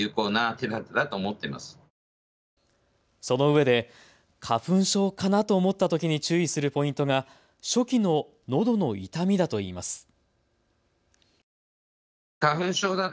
そのうえで花粉症かな？と思ったときに注意するポイントが初期ののどの痛みだといいます。